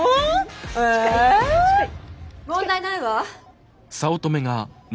問題ないわ。